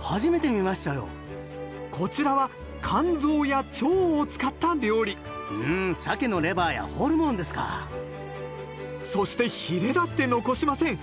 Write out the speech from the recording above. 初めて見ましたよこちらは肝臓や腸を使った料理うん鮭のレバーやホルモンですかそしてヒレだって残しません。